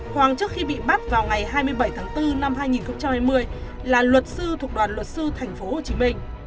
hoàng trước khi bị bắt vào ngày hai mươi bảy tháng bốn năm hai nghìn hai mươi là luật sư thuộc đoàn luật sư thành phố hồ chí minh